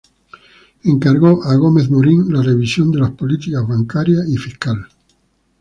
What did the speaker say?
Encargó a Gómez Morín la revisión de las políticas bancaria y fiscal.